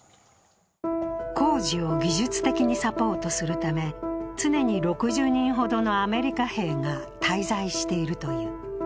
工事を技術的にサポートするため常に６０人ほどのアメリカ兵が滞在しているという。